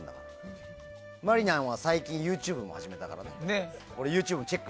まりにゃんは最近ＹｏｕＴｕｂｅも始めたんだって。